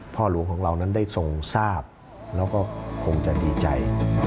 พ่อหลวงของเรานั้นได้ทรงทราบแล้วก็คงจะดีใจ